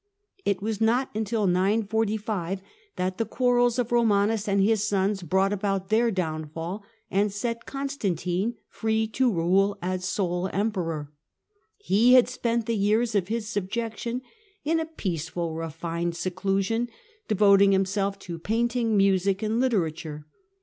Lecapenus, It was not till 945 that the quarrels of Romanus and his 919 945) sons brought about their downfall, and set Constantine free to rule as sole Emperor. He had spent the years of his subjection in a peaceful, refined seclusion, devoting himself to painting, music, and literature.